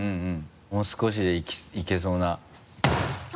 もう少しでいけそうな。